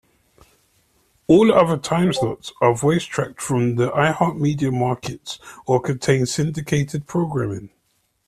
All other timeslots are voicetracked from other iHeartMedia markets or contain syndicated programming.